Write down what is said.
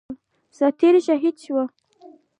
سرتيری شهید شو